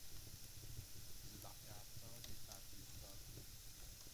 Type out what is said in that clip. زبعد هفتاد یک برفی افتاد...